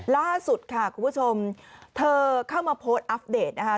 ล่าสุดค่ะคุณผู้ชมเธอเข้ามาโพสต์อัปเดตนะคะ